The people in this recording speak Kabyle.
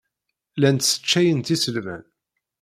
Llant sseččayent iselman.